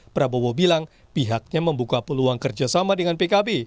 prabowo bilang pihaknya membuka peluang kerjasama dengan pkb